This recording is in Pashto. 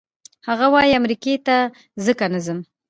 هغه وايي امریکې ته ځکه نه ځم.